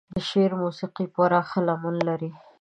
د شعر موسيقي پراخه لمن لري.